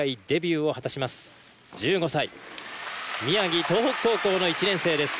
１５歳宮城東北高校の１年生です。